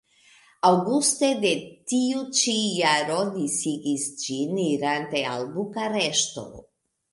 Aŭguste de tiu ĉi jaro disigis ĝin irante al Bukareŝto.